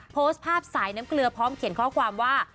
โพสต์ภาพสายน้ำเกลือพร้อมเขียนข้อความว่า